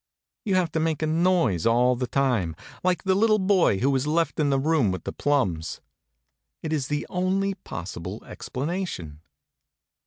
You have to make a noise all the time, like the little boy who was left in the room with the plums. It is the only possible explanation.